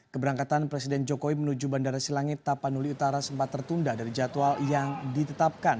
keberangkatan presiden jokowi menuju bandara silangit tapanuli utara sempat tertunda dari jadwal yang ditetapkan